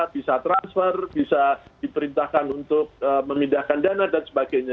bisa transfer bisa diperintahkan untuk memindahkan dana dan sebagainya